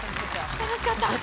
楽しかった？